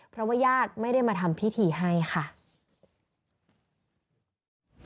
เพราะว่าญาติไม่ได้มาทำพิธีให้ค่ะ